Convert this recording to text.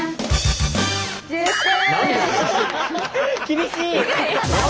厳しい！